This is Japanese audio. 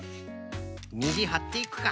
にじはっていくか。